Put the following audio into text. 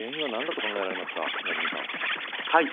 これ原因は何だと考えられますか。